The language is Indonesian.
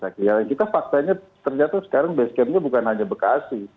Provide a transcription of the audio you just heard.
kita faktanya ternyata sekarang basecam nya bukan hanya bekasi